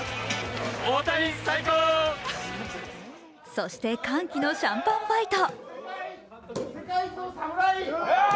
そして、歓喜のシャンパンファイト。